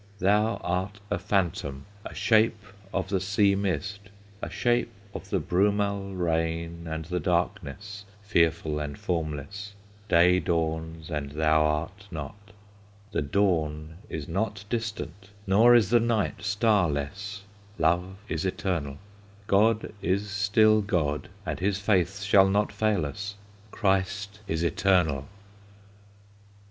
"Thou art a phantom, A shape of the sea mist, A shape of the brumal Rain, and the darkness Fearful and formless; Day dawns and thou art not! "The dawn is not distant, Nor is the night starless; Love is eternal! God is still God, and His faith shall not fail us; Christ is eternal!"